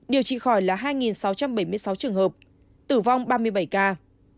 điều trị khỏi là hai sáu trăm bảy mươi sáu trường hợp tử vong ba mươi bảy ca